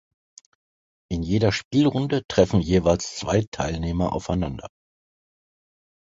In jeder Spielrunde treffen jeweils zwei Teilnehmer aufeinander.